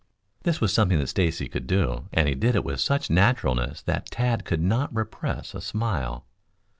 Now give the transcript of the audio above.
This was something that Stacy could do, and he did it with such naturalness that Tad could not repress a smile.